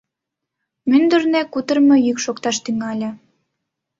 Мӱндырнӧ кутырымо йӱк шокташ тӱҥале.